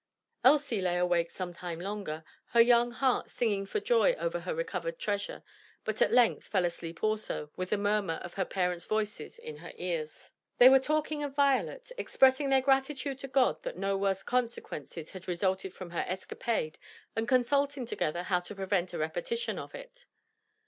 Elsie lay awake some time longer, her young heart singing for joy over her recovered treasure, but at length fell asleep also, with the murmur of her parents' voices in her ears. They were talking of Violet, expressing their gratitude to God that no worse consequences had resulted from her escapade, and consulting together how to prevent a repetition of it.